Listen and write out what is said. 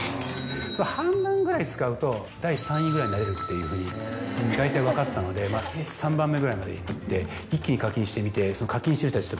その半分ぐらい使うと第３位ぐらいになれるっていうふうに大体分かったので３番目ぐらいまで行って一気に課金してみて。